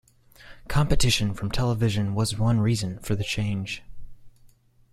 Competition from television was one reason for the change.